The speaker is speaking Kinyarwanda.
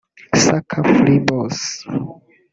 sucker free boss